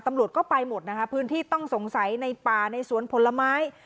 ตำรวจก็ไปหมดนะคะพื้นที่ต้องสงสัยในป่าในสวนผลไม้